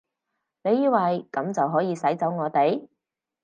你以為噉就可以使走我哋？